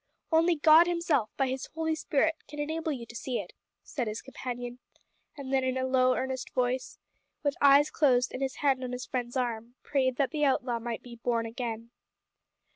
"Only God Himself, by His Holy Spirit, can enable you to see it," said his companion; and then, in a low earnest voice, with eyes closed and his hand on his friend's arm, he prayed that the outlaw might be "born again."